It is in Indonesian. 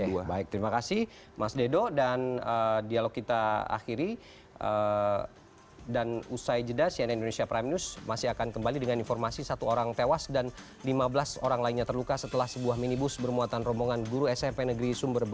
baik terima kasih mas dedo dan dialog kita akhiri dan usai jeda cnn indonesia prime news masih akan kembali dengan informasi satu orang tewas dan lima belas orang lainnya terluka setelah sebuah minibus bermuatan rombongan guru smp negeri sumber